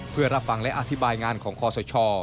เพื่อรับฟังและอธิบายงานของคอสช